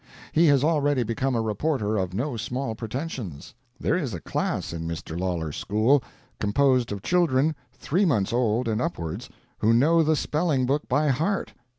He has already become a reporter of no small pretensions. There is a class in Mr. Lawlor's school composed of children three months old and upwards, who know the spelling book by heart.